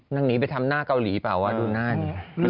หนีไปทำหน้าเกาหลีเปล่าว่าดูหน้านี้